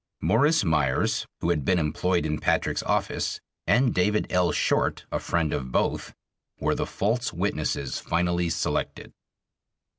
Morris Meyers, who had been employed in Patrick's office, and David L. Short, a friend of both, were the false witnesses finally selected.